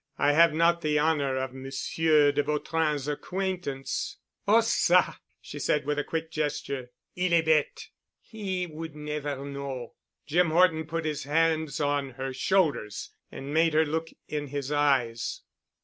I have not the honor of Monsieur de Vautrin's acquaintance." "Oh, ça!" she said with a quick gesture. "Il est bête. He would never know." Jim Horton put his hands on her shoulders and made her look in his eyes.